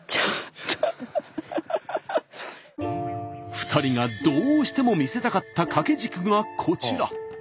２人がどうしても見せたかった掛け軸がこちら。